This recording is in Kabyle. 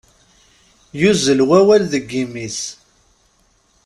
Yuzzel wawal deg yimi-s.